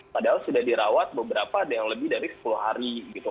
padahal sudah dirawat beberapa ada yang lebih dari sepuluh hari gitu